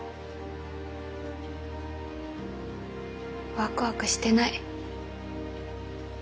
ワクワクしてない。